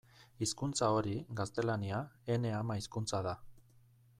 Hizkuntza hori, gaztelania, ene ama-hizkuntza da.